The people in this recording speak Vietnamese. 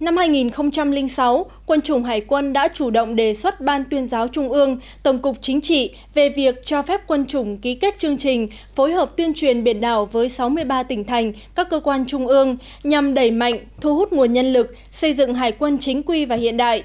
năm hai nghìn sáu quân chủng hải quân đã chủ động đề xuất ban tuyên giáo trung ương tổng cục chính trị về việc cho phép quân chủng ký kết chương trình phối hợp tuyên truyền biển đảo với sáu mươi ba tỉnh thành các cơ quan trung ương nhằm đẩy mạnh thu hút nguồn nhân lực xây dựng hải quân chính quy và hiện đại